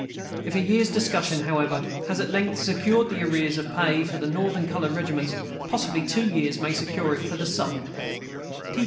If a year's discussion, however, has at length secured the arrears of pay for the Northern colored regiments, possibly two years may secure it for the Southern.